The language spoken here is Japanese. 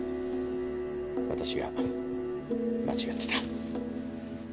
私が間違ってた。